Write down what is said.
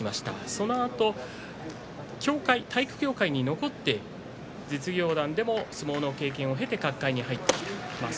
そのあと体育協会に残って実業団でも相撲の経験を経て角界に入ってきました。